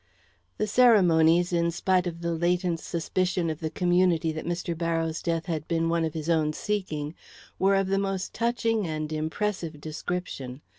The ceremonies, in spite of the latent suspicion of the community that Mr. Barrows' death had been one of his own seeking, were of the most touching and impressive description.